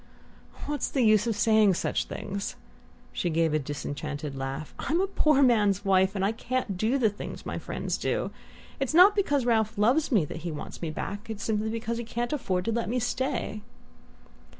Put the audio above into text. "What's the use of saying such things?" She gave a disenchanted laugh. "I'm a poor man's wife, and can't do the things my friends do. It's not because Ralph loves me that he wants me back it's simply because he can't afford to let me stay!"